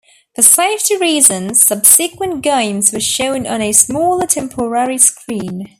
For safety reasons, subsequent games were shown on a smaller, temporary screen.